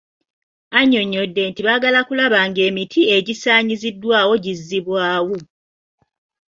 Annyonnyodde nti baagala okulaba ng'emiti egisaanyiziddwawo gizzibwawo.